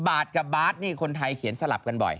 บาทกับบาทนี่คนไทยเขียนสลับกันบ่อย